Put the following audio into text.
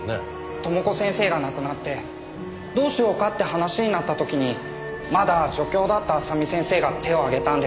知子先生が亡くなってどうしようかって話になった時にまだ助教だった麻美先生が手を挙げたんです。